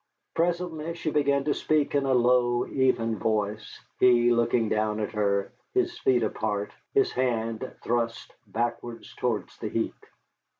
Presently she began to speak in a low, even voice, he looking down at her, his feet apart, his hand thrust backward towards the heat.